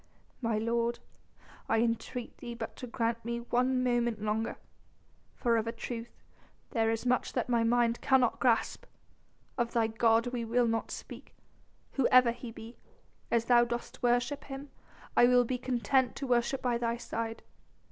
"My lord, I entreat thee but to grant me one moment longer, for of a truth there is much that my mind cannot grasp. Of thy god we will not speak. Whoever he be, as thou dost worship him, I will be content to worship by thy side.